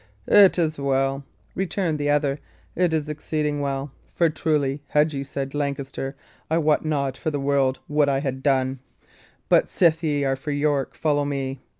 "It is well," returned the other; "it is exceeding well. For, truly, had ye said Lancaster, I wot not for the world what I had done. But sith ye are for York, follow me.